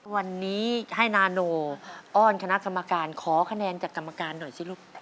วันนี้ให้นาโนอ้อนคณะกรรมการขอคะแนนจากกรรมการหน่อยสิลูก